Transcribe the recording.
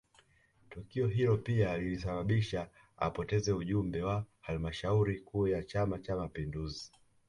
Tukio hilo pia lilisababisha apoteze ujumbe wa halmashauri kuu ya chama cha mapinduzi